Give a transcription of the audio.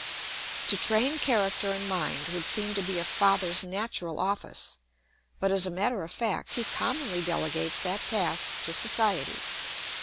To train character and mind would seem to be a father's natural office, but as a matter of fact he commonly delegates that task to society.